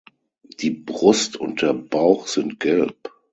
Die Brust und der Bauch sind gelb.